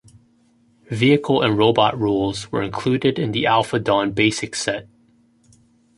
Vehicle and robot rules were included in the "Alpha Dawn" basic set.